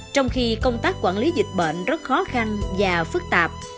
trong khi công tác quản lý dịch bệnh rất khó khăn và phức tạp